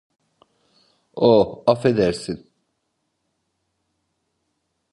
Oh, affedersin.